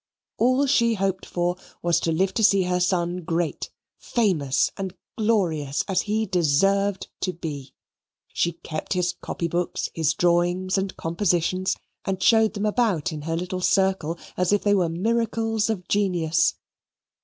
All she hoped for was to live to see her son great, famous, and glorious, as he deserved to be. She kept his copy books, his drawings, and compositions, and showed them about in her little circle as if they were miracles of genius.